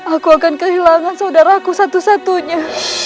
aku akan kehilangan saudaraku satu satunya